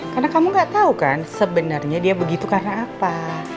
karena kamu gak tau kan sebenarnya dia begitu karena apa